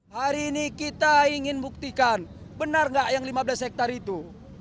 hari ini kita ingin buktikan benar nggak yang lima belas hektare itu